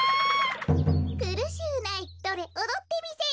くるしゅうないおどってみせよ。